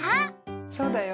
そうだよ。